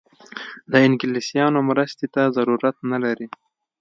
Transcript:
د انګلیسیانو مرستې ته ضرورت نه لري.